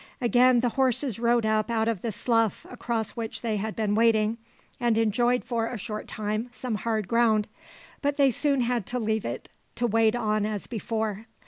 Again the horses rose up out of the slough across which they had been wading and enjoyed for a short time some hard ground; but they soon had to leave it, to wade on as before.